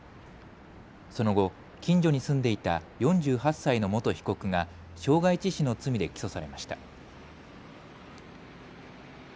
その後、近所に住んでいた４８歳の元被告が傷害致死の罪で起訴されました。